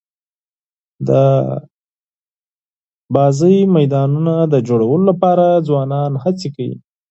د سپورټي میدانونو د جوړولو لپاره ځوانان هڅي کوي.